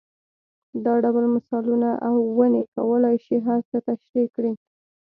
دا ډول مثالونه او ونې کولای شي هر څه تشرېح کړي.